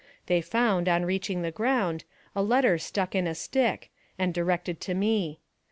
They found, on reaching the ground, a letter stuck in a stick, and directed to me.